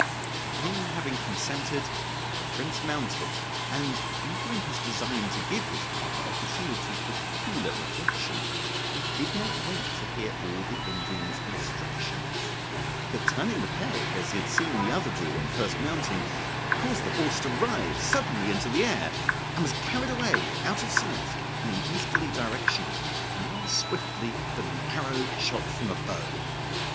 The King having consented, the prince mounted, and eager in his design to give his father opportunity for cooler reflection, he did not wait to hear all the Indian's instructions, but turning the peg, as he had seen the other do when first mounting, caused the horse to rise suddenly in the air, and was carried away out of sight in an easterly direction more swiftly than an arrow shot from a bow.